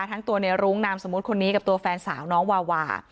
ทั้งตัวในรุ้งนามสมมุติคนนี้กับตัวแฟนสาวน้องวาวา